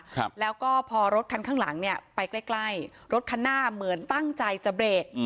ครับแล้วก็พอรถคันข้างหลังเนี้ยไปใกล้ใกล้รถคันหน้าเหมือนตั้งใจจะเบรกอืม